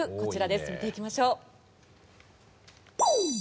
見ていきましょう。